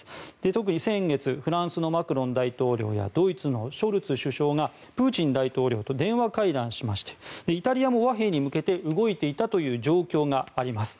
特に先月フランスのマクロン大統領やドイツのショルツ首相がプーチン大統領と電話会談しましてイタリアも和平に向けて動いていたという状況があります。